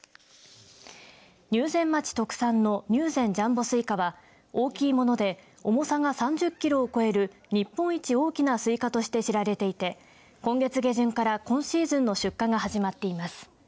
入善町特産の入善ジャンボ西瓜は大きいもので重さが３０キロを超える日本一大きなスイカとして知られていて今月下旬から今シーズンの出荷が始まっています。